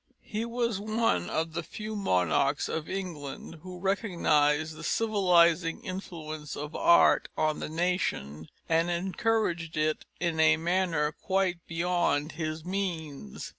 He was one of the few monarchs of England who recognised the civilising influence of art on the nation and encouraged it in a manner quite beyond his means.